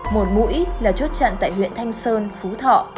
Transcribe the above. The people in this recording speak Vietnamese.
một mũi là chốt chặn tại huyện thanh sơn phú thọ